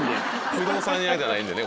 不動産屋じゃないんでね